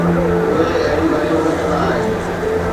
اهي اهڙيون ڳالهيون نه ڪندا آهن